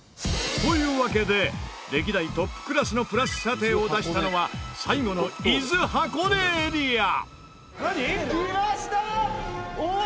というわけで歴代トップクラスのプラス査定を出したのは最後の伊豆・箱根エリア！